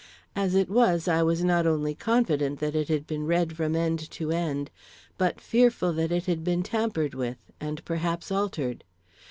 As it was, I was not only confident that it had been read from end to end, but fearful that it had been tampered with, and perhaps altered.